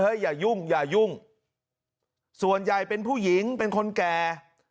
อย่ายุ่งอย่ายุ่งส่วนใหญ่เป็นผู้หญิงเป็นคนแก่